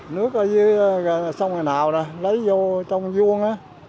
nước ở dưới sông ngành hào nè lấy vô trong vuông á